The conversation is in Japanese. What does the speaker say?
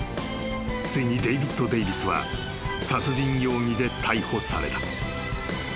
［ついにデイビッド・デイヴィスは殺人容疑で逮捕された］